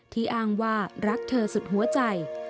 อ้างว่ารักเธอสุดหัวใจ